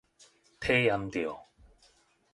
體驗著